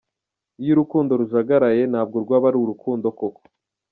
Iyo urukundo rujagaraye, ntabwo urwo aba ari urukundo koko.